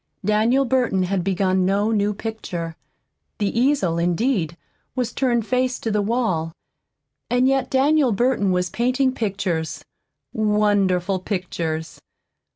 Daniel Burton had begun no new picture. The easel, indeed, was turned face to the wall. And yet Daniel Burton was painting pictures, wonderful pictures.